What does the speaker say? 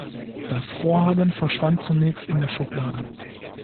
Das Vorhaben verschwand zunächst in der Schublade.